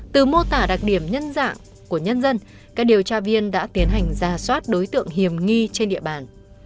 từ mô tả đặc điểm nhân dạng của nhân dân các điều tra viên đã tiến hành ra soát đối tượng hiểm nghi trên địa bàn